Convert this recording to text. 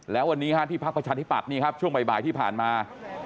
แล้ววันนี้ที่พักประชาธิบัตย์นี่ครับช่วงบ่ายที่ผ่านมา